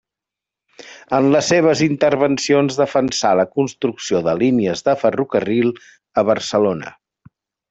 En les seves intervencions defensà la construcció de línies de ferrocarril a Barcelona.